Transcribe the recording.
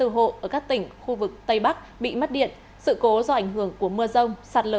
tám bốn trăm tám mươi bốn hộ ở các tỉnh khu vực tây bắc bị mất điện sự cố do ảnh hưởng của mưa rông